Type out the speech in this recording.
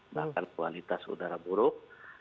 bahkan kualitas udara buruk